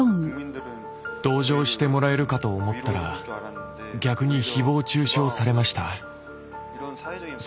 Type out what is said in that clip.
同情してもらえるかと思ったら逆にひぼう中傷されました。